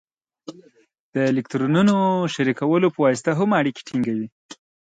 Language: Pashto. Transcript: د الکترونونو شریکولو په واسطه هم اړیکې ټینګوي.